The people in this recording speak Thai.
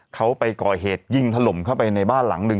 เขาไปก่อเหตุยิงถล่มเข้าไปในบ้านหลังหนึ่ง